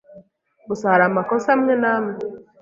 Gusa hari amakosa amwe n’amwe